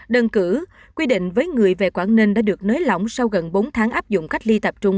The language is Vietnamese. đơn cử quy định với người về quảng ninh đã được nới lỏng sau gần bốn tháng áp dụng cách ly tập trung